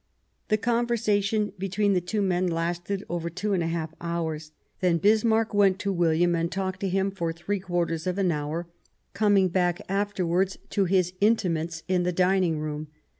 The conversation between the two men lasted over two and a half hours. Then Bismarck went to William and talked with him for 147 Bismarck three quarters of an hour, coming back afterwards to his intimates in the dining room.